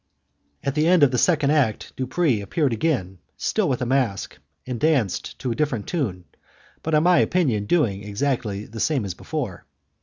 At the end of the second act, Dupres appeared again, still with a mask, and danced to a different tune, but in my opinion doing exactly the same as before.